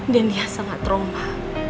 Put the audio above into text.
dan dia sangat trauma